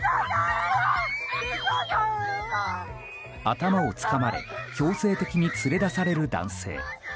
頭をつかまれ強制的に連れ出される男性。